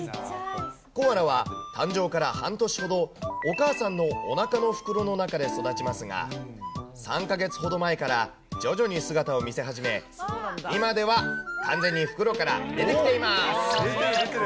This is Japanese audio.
コアラは誕生から半年ほど、お母さんのおなかの袋の中で育ちますが、３か月ほど前から徐々に姿を見せ始め、今では完全に袋から出てきています。